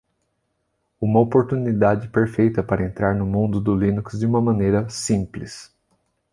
Uma oportunidade perfeita para entrar no mundo do Linux de uma maneira simples.